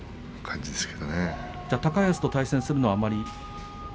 じゃあ高安と対戦するのはあまり？